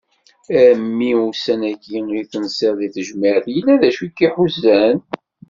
A mmi ussan-agi akk i tensiḍ deg tejmɛt yella d acu i k-iḥuzan?